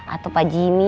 atau pak jimmy